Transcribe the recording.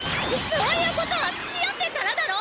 そういうことはつきあってからだろ！